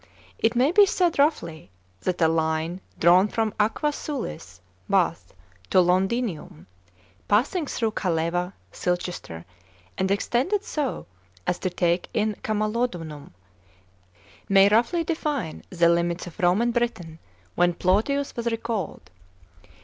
It may be said roughly, that a line drawn from Aquse Sulis (Ba'h) to Lnndinium, passing through Calleva (Sil chester) and extended so as to take in Camalodunnm, n ay roughly define the limits of Koman Britain, when Plautius was recalled.